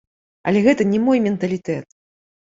Але гэта не мой менталітэт.